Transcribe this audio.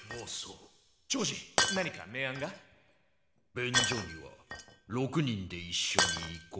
便所には６人でいっしょに行こう。